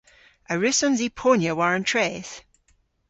A wrussons i ponya war an treth?